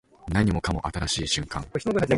何もかも新しい瞬間